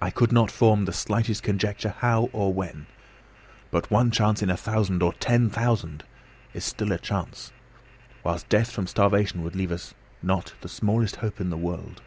I could not form the slightest conjecture how or when. But one chance in a thousand, or ten thousand, is still a chance; whilst death from starvation would leave us not the smallest hope in the world.